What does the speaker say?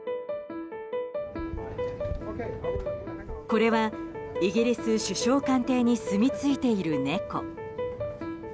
これはイギリス首相官邸にすみついている猫。